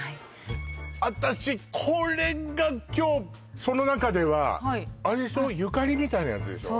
私これが今日その中ではあれでしょゆかりみたいなやつでしょ